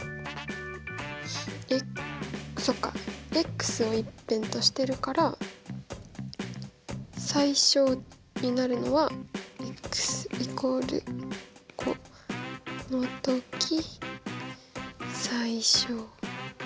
えっそっか！を１辺としてるから最小になるのは＝５のとき最小。